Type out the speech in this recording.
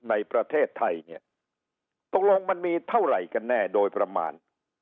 ในประเทศไทยเนี่ยตกลงมันมีเท่าไหร่กันแน่โดยประมาณ